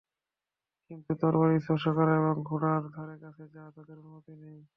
কিন্তু তরবারি স্পর্শ করা এবং ঘোড়ার ধারে কাছে যাওয়া তাদের অনুমতি নেই।